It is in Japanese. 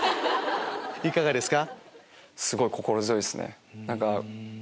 いかがですか？